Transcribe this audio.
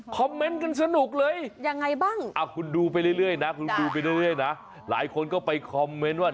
คอมเมนต์กันสนุกเลยคุณดูไปเรื่อยนะหลายคนก็ไปคอมเมนต์ว่า